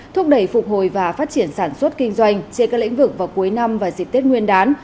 thúc đẩy phục hồi và phát triển sản xuất kinh doanh trên các lĩnh vực vào cuối năm và dịp tết nguyên đán